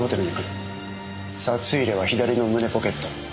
札入れは左の胸ポケット。